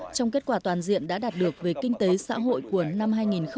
trong kết quả toàn diện đã đạt được về kinh tế xã hội của năm hai nghìn một mươi tám